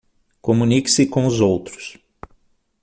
Comunique-se com os outros